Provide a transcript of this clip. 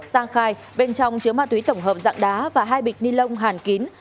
sang khai bên trong chứa ma túy tổng hợp dạng đá và hai bịch ni lông hàn kín